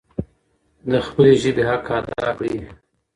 د خپلې ژبي حق ادا کړئ.